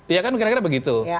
ya kan kira kira begitu